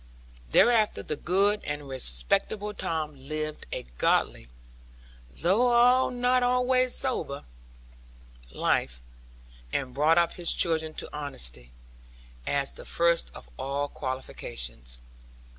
Thereafter the good and respectable Tom lived a godly (though not always sober) life; and brought up his children to honesty, as the first of all qualifications.